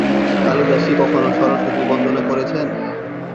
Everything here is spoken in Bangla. কালিদাস কি কখনো সরস্বতী বন্দনা করেছেন?